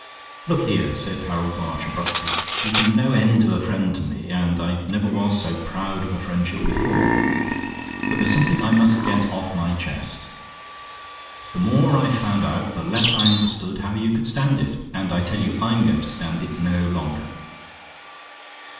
"Look here," said Harold March, abruptly, "you've been no end of a friend to me, and I never was so proud of a friendship before; but there's something I must get off my chest. The more I found out, the less I understood how you could stand it. And I tell you I'm going to stand it no longer."